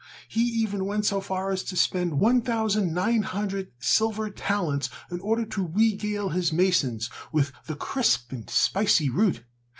He even went so far as to spend 1,900 silver talents in order to regale his masons with the crisp and spicy root.